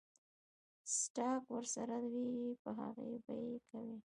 سټاک ورسره وي پۀ هغې به يې کوي ـ